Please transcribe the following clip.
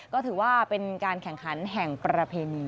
ก็ถือว่าเป็นการแข่งขันแห่งประเพณี